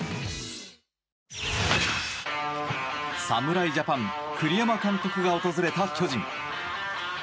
侍ジャパン栗山監督が訪れた巨人。